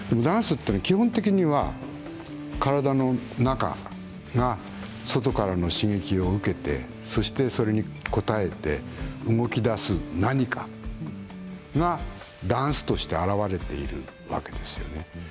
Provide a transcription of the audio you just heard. ダンスは基本的には体の中が外からの刺激を受けてそしてそれに応えて動きだす何かがダンスとして表れているわけですよね。